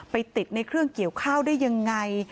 ไปติดในเครื่องเกี่ยวข้าวได้ยังไง